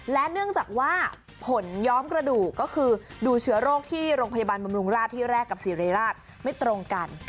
และเนื่องจากว่าผลย้อมกระดูกก็คือดูเชื้อโรคที่โรงพยาบาลบำรุงราชที่แรกกับสิริราชไม่ตรงกัน